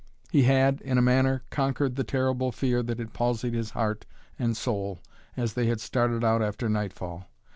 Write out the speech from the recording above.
He had, in a manner, conquered the terrible fear that had palsied heart and soul as they had started out after nightfall.